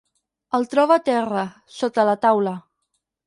El troba al terra, sota la taula.